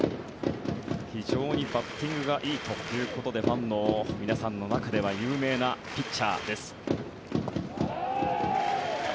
非常にバッティングがいいということでファンの皆さんの中では有名なピッチャーです。